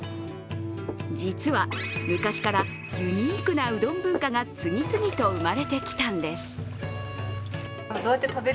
実は、昔からユニークなうどん文化が次々と生まれてきたんです。